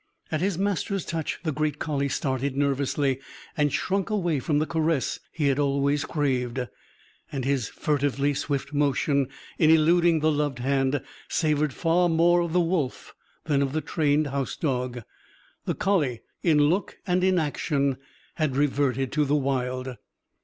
At his master's touch, the great collie started nervously; and shrunk away from the caress he had always craved. And his furtively swift motion, in eluding the loved hand, savoured far more of the wolf than of the trained house dog. The collie, in look and in action, had reverted to the wild.